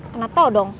kena tau dong